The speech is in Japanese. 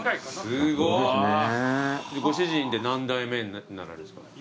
ご主人で何代目になられるんすか？